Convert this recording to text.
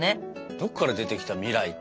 どっから出てきた未来って。